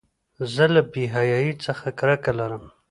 زه له بېحیایۍ څخه کرکه لرم.